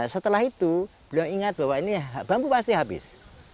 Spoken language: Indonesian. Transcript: setelah itu beliau ingat bahwa ini bambu pasti habis